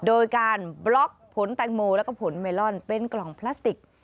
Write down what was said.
โดยการบล็อกผลแตงโมแล้วก็ผลเมลอนเป็นกล่องพลาสติก